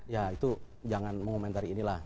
ya itu jangan mengomentari ini lah